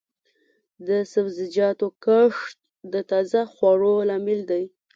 د سبزیجاتو کښت د تازه خوړو لامل دی.